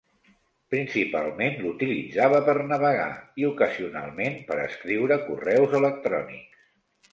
Principalment l'utilitzava per navegar i ocasionalment per escriure correus electrònics.